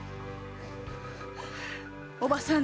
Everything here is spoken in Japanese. おばさん。